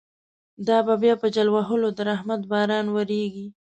دا به بیا په جل وهلو، د رحمت باران وریږی